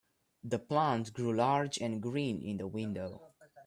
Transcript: The plant grew large and green in the window.